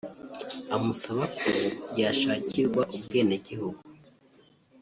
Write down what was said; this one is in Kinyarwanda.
amusaba ko yashakirwa ubwenegihugu